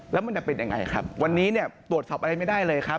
แล้วมันจะเป็นยังไงครับวันนี้เนี่ยตรวจสอบอะไรไม่ได้เลยครับ